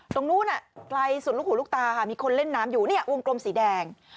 ตรงนู้นไกลสุดลูกหูลูกตาค่ะมีคนเล่นน้ำอยู่เนี่ยวงกลมสีแดง